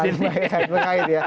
saling kait mengait ya